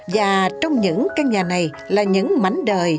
và trong những căn nhà này là những mảnh đời